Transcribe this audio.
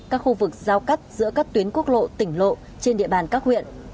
các khu vực giao cắt giữa các tuyến quốc lộ tỉnh lộ trên địa bàn các huyện